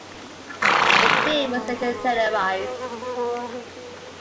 The film was later televised.